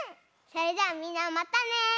それじゃあみんなまたね。